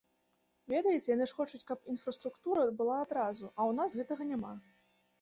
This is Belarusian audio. Ведаеце, яны ж хочуць, каб інфраструктура была адразу, а ў нас гэтага няма.